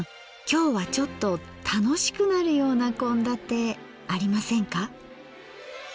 今日はちょっと楽しくなるような献立ありませんか？